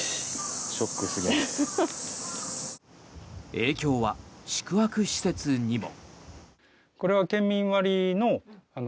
影響は宿泊施設にも。